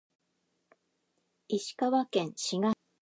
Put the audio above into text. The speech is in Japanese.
石川県志賀町